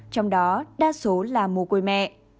trong đó đa số là mô côi mẹ